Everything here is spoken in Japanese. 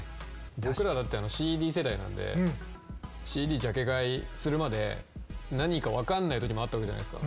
僕らだってＣＤ世代なんでＣＤジャケ買いするまで何か分かんない時もあったわけじゃないですか。